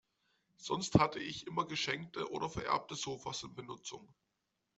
Sonst hatte ich immer geschenkte oder vererbte Sofas in Benutzung.